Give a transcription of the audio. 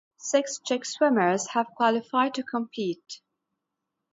Six Czech swimmers have qualified to compete.